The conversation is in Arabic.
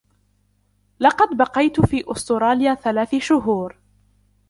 لقد بقيت في أستراليا ثلاث شهور.